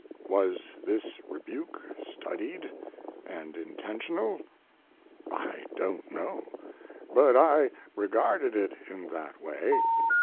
"Was this rebuke studied and intentional? I don't know, but I regarded it in that way.